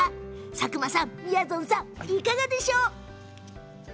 佐久間さん、みやぞんさんいかがでしょう？